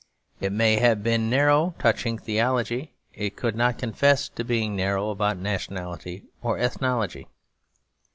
It may have been narrow touching theology, it could not confess to being narrow about nationality or ethnology.